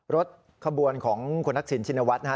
รถขบวนของคุณทักษิณชินวัฒน์นะฮะ